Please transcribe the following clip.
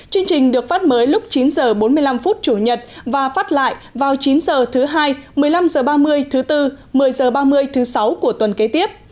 chương trình được phát mới lúc chín giờ bốn mươi năm phút chủ nhật và phát lại vào chín giờ thứ hai một mươi năm giờ ba mươi thứ bốn một mươi giờ ba mươi thứ sáu của tuần kế tiếp